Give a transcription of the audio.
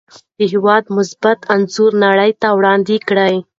د هېواد مثبت انځور نړۍ ته وړاندې کړئ.